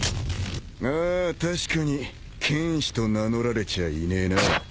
ああ確かに剣士と名乗られちゃいねえな。